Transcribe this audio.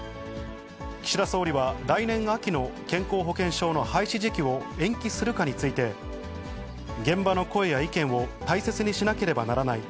岸田総理は、来年秋の健康保険証の廃止時期を延期するかについて、現場の声や意見を大切にしなければならない。